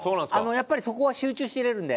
やっぱりそこは集中していられるんで。